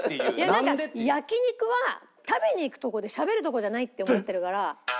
なんか焼肉は食べに行くとこでしゃべるとこじゃないって思ってるから。